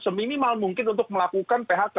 seminimal mungkin untuk melakukan phk